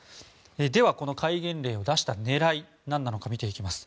では、この戒厳令を出した狙いなんなのか見ていきます。